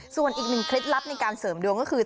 ส่วนอีกหนึ่งเคล็ดลับในการเสริมดวงก็คือ